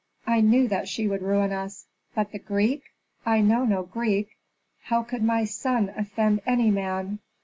I knew that she would ruin us. But the Greek? I know no Greek. How could my son offend any man?"